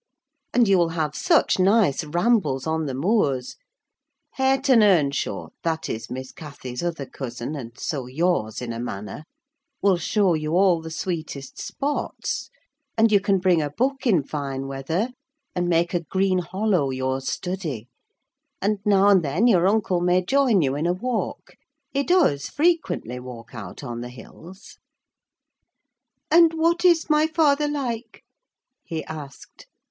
And you will have such nice rambles on the moors. Hareton Earnshaw—that is, Miss Cathy's other cousin, and so yours in a manner—will show you all the sweetest spots; and you can bring a book in fine weather, and make a green hollow your study; and, now and then, your uncle may join you in a walk: he does, frequently, walk out on the hills." "And what is my father like?" he asked.